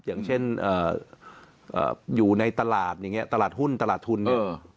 อย่างเช่นอยู่ในตลาดอย่างนี้ตลาดหุ้นตลาดทุนเนี่ย